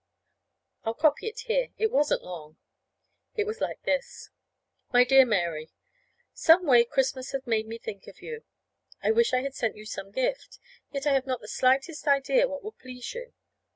I'll copy it here. It wasn't long. It was like this: MY DEAR MARY: Some way Christmas has made me think of you. I wish I had sent you some gift. Yet I have not the slightest idea what would please you.